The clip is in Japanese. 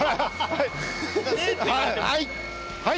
はい。